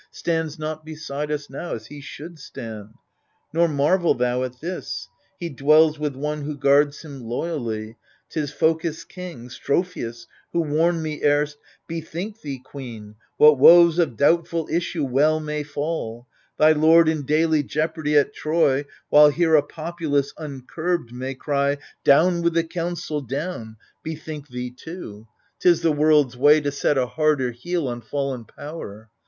Stands not beside us now, as he should stand. Nor marvel thou at this : he dwells with one Who guards him loyally ; 'tis Phocis' king, Strophius, who warned me erst, Bethink thee^ queeriy What woes of doubtful issue well may fall/ Thy lord in daily jeopardy at Troy^ While here a populace uncurbed may cry " Down with the council^ down /" bethink thee too. AGAMEMNON 39 *Tis the worlcPs way to set a harder heel On fallen power.